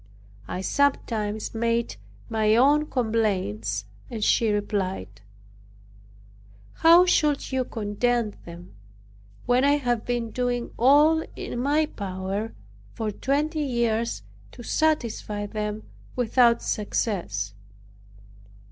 I sometimes made my own complaint and she replied, "How should you content them, when I have been doing all in my power for twenty years to satisfy them without success?"